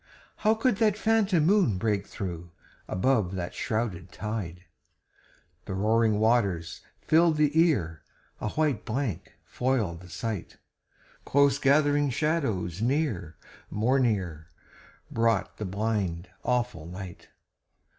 How could that phantom moon break through, Above that shrouded tide? The roaring waters filled the ear, A white blank foiled the sight. Close gathering shadows near, more near, Brought the blind, awful night.